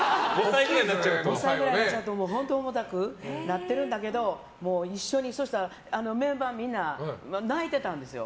５歳くらいになると本当に重たくなってるんだけどそうしたら、現場のみんな泣いてたんですよ